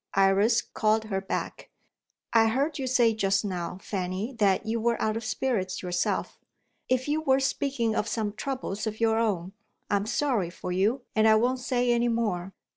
Iris called her back: "I heard you say just now, Fanny, that you were out of spirits yourself. If you were speaking of some troubles of your own, I am sorry for you, and I won't say any more.